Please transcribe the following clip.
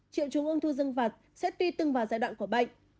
triệu trứng ung thư dương vật sẽ tuy tưng vào giai đoạn của bệnh